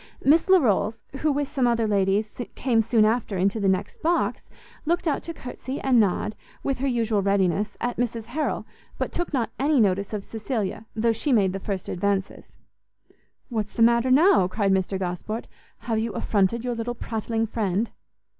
Miss Larolles, who with some other ladies came soon after into the next box, looked out to courtsie and nod, with her usual readiness, at Mrs Harrel, but took not any notice of Cecilia, though she made the first advances. "What's the matter now?" cried Mr Gosport; "have you affronted your little prattling friend?"